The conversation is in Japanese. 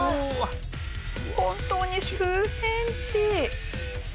本当に数センチ。